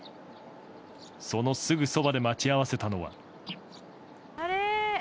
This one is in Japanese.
そのすぐそばで待ち合わせたのは。